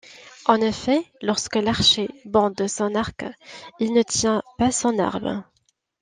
En effet, lorsque l'archer bande son arc il ne tient pas son arme.